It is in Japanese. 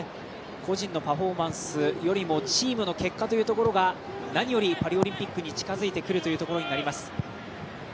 個人のパフォーマンスよりチームの結果というところが何よりパリオリンピックに近づいてくるというところになります。